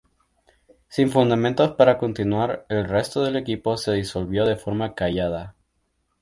Sin fundamentos para continuar, el resto del equipo se disolvió de forma callada.